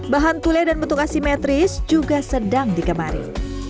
bahan tule dan bentuk asimetris juga sedang digemari